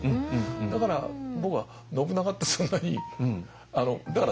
だから僕は信長ってそんなになるほど！